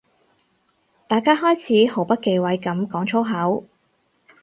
大家開始毫不忌諱噉講粗口